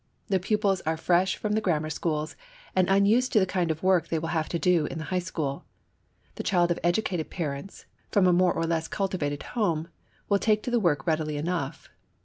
The pupils are fresh from the grammar schools, and unused to the kind of work they will have to do in the high school. The child of educated parents, from a more or less cultivated home, will take to the work readily enough.